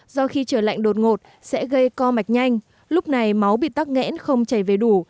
do khi trời lạnh đột ngột sẽ gây co mạch nhanh lúc này máu bị tắc nghẽn không chảy về đủ